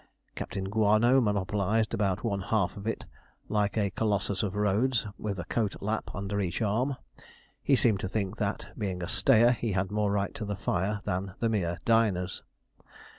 Captain Guano monopolized about one half of it, like a Colossus of Rhodes, with a coat lap under each arm. He seemed to think that, being a stayer, he had more right to the fire than the mere diners.